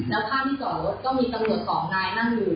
ในภาพที่จอร์รถก็มีตำนวนเสาแนวของนายนั่งอยู่